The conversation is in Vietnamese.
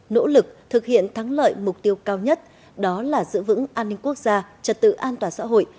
nỗ lực thực hiện thắng lợi mục tiêu cao nhất đó là giữ vững an ninh quốc gia trật tự an toàn xã hội